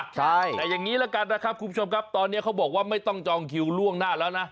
คุณผู้ชมครับตอนนี้เขาบอกว่าไม่ต้องจองคิวร่วงหน้าแล้วนะ